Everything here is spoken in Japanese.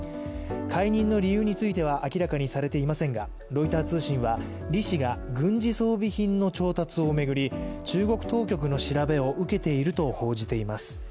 解任の理由については明らかにされていませんが、ロイター通信は李氏が軍事装備品の調達を巡り中国当局の調べを受けていると報じています。